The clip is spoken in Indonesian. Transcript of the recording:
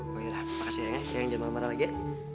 oh ya makasih eyang jangan marah marah lagi ya